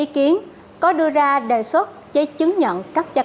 xin chào và hẹn gặp lại